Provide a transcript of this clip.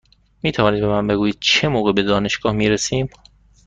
می توانید به من بگویید چه موقع به دانشگاه می رسیم؟